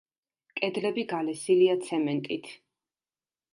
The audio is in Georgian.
კედლები გალესილია ცემენტით.